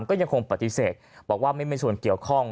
ก็ยังคงปฏิเสธบอกว่าไม่มีส่วนเกี่ยวข้อง